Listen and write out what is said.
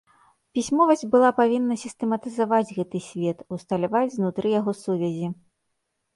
Пісьмовасць была павінна сістэматызаваць гэты свет, усталяваць знутры яго сувязі.